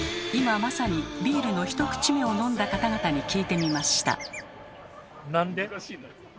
今まさにビールの１口目を飲んだ方々に聞いてみました。